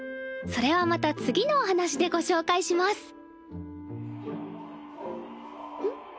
それはまた次のお話でごしょうかいします。